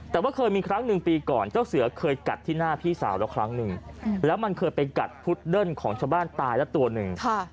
แต่ว่าเคยมีครั้งหนึ่งปีก่อนเจ้าเสือเคยกัดที่หน้าพี่สาวแล้วครั้งหนึ่งแล้วมันเคยไปกัดพุดเดิ้นของชาวบ้านตายละตัวหนึ่ง